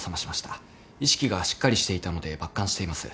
意識がしっかりしていたので抜管しています。